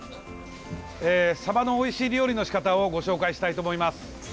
サバのおいしい料理の仕方をご紹介したいと思います。